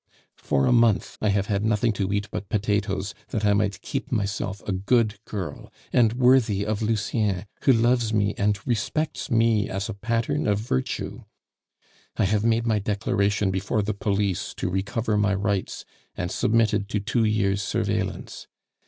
For a month I have had nothing to eat but potatoes, that I might keep myself a good girl and worthy of Lucien, who loves me and respects me as a pattern of virtue. I have made my declaration before the police to recover my rights, and submitted to two years' surveillance.